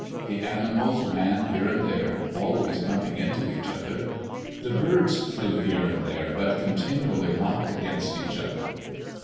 The animals ran here and there, always bumping into each other. The birds flew here and there, but continually knocked against each other.